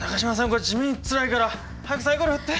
これ地味につらいから早くサイコロ振って！